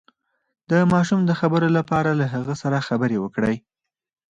د ماشوم د خبرو لپاره له هغه سره خبرې وکړئ